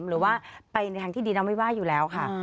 หรือว่าไปในทางที่ดีเราไม่ว่าอยู่แล้วค่ะ